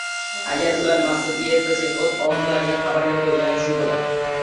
Agar ular maqsadiga yetsa, sen o‘z orzularingni qabrga qo‘yganing shu bo‘ladi.